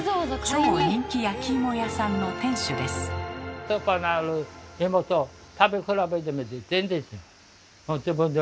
超人気焼き芋屋さんの店主です。